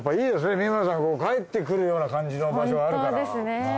三村さん帰ってくるような感じの場所あるから。